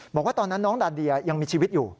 บอกว่าตอนนั้นน้องดาเดียยังมีชีวิตอยู่